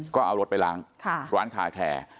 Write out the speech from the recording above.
ก็เอารถไปล้างร้านคาแคร์